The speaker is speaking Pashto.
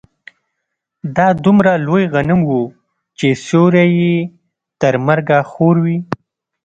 دا دومره لوی غم و چې سيوری يې تر مرګه خور وي.